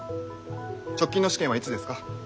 直近の試験はいつですか？